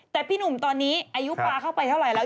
แต่พี่หนุ่มตอนนี้อายุปลาเข้าไปเท่าไหร่แล้ว